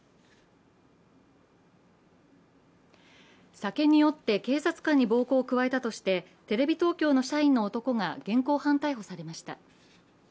酒に酔って警察官に暴行を加えたとしてテレビ東京の社員の男が現行犯逮捕されました。